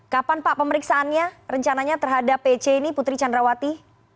kapan pak pemeriksaannya rencananya terhadap pc ini putri candrawati